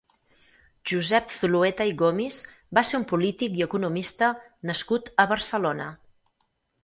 Josep Zulueta i Gomis va ser un polític i economista nascut a Barcelona.